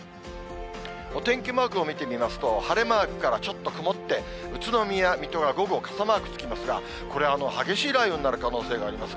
お天気マークを見てみますと、晴れマークからちょっと曇って、宇都宮、水戸が午後、傘マークつきますが、これ、激しい雷雨になる可能性があります。